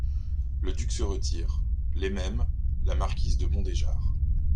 Le duc se retire. les mêmes , LA MARQUISE DE MONDÉJAR.